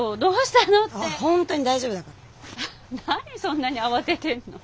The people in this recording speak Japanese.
何そんなに慌ててんの？